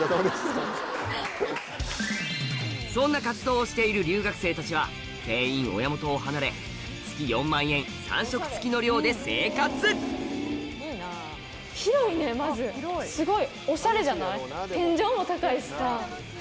そんな活動をしている留学生たちは全員親元を離れ月４万円３食付きの寮で生活まずすごい。